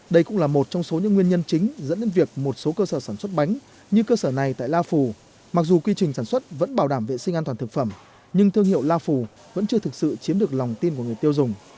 đây cũng là một trong số những nguyên nhân chính dẫn đến việc một số cơ sở sản xuất bánh như cơ sở này tại la phù mặc dù quy trình sản xuất vẫn bảo đảm vệ sinh an toàn thực phẩm nhưng thương hiệu la phù vẫn chưa thực sự chiếm được lòng tin của người tiêu dùng